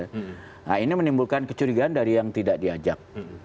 nah ini menimbulkan kecurigaan dari yang tidak diajak